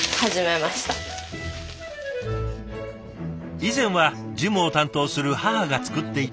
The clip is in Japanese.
以前は事務を担当する母が作っていたというまかない。